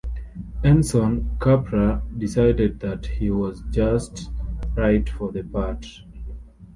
Anson, Capra decided that he was just right for the part.